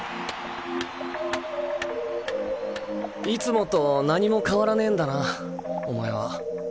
いつもと何も変わらねぇんだなお前は。